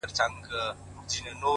o کوټي ته درځمه گراني؛